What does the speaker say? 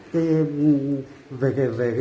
tụi em mới rút về được đây một ngày